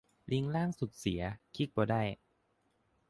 ลิงก์ล่างสุดเสีย คลิกบ่ได้